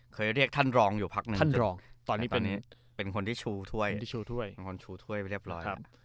เคยเรียกท่านรองอยู่พักหนึ่งแต่ตอนนี้เป็นคนที่ชูถ้วยไปเรียบร้อย